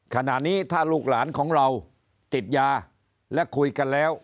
ขณะนี้ถ้าลูกหลานของเราติดยาและคุยกันแล้ว